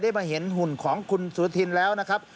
มาเห็นหุ่นของคุณสุธินแล้วนะครับ